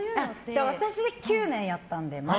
私、丸９年やったので。